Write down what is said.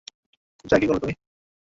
পূজা, এ কী করলে তুমি?